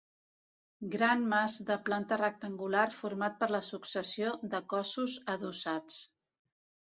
Gran mas de planta rectangular format per la successió de cossos adossats.